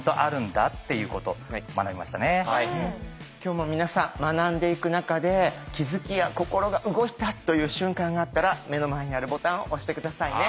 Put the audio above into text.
今日も皆さん学んでいく中で気付きや心が動いたという瞬間があったら目の前にあるボタンを押して下さいね。